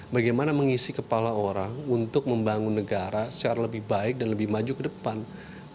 bagaimana mengisi kepala orang untuk membangun negara secara lebih baik dan lebih maju ke depan